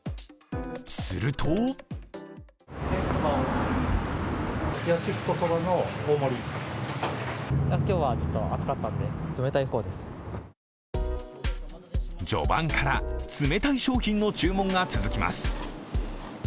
すると序盤から冷たい商品の注文が続きます。